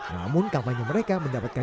namun kampanye mereka mendapatkan